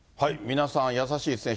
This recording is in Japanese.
皆さん、優しいですね。